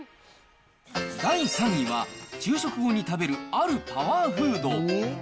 第３位は、昼食後に食べる、あるパワーフード。